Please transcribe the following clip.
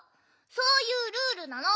そういうルールなの。